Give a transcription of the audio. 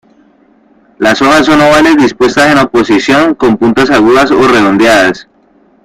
Las hojas son ovales dispuestas en oposición con puntas agudas o redondeadas.